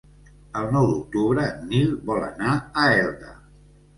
El nou d'octubre en Nil vol anar a Elda.